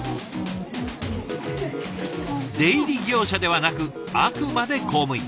出入り業者ではなくあくまで公務員。